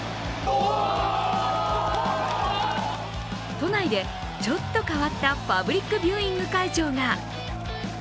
都内でちょっと変わったパブリックビューイング会場が。